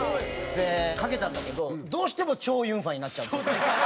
でかけたんだけどどうしてもチョウ・ユンファになっちゃうんですよ。